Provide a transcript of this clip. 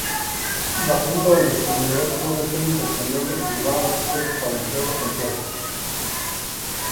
La punta del destornillador suele ser intercambiable y llevar accesorios para emplearlo con tuercas.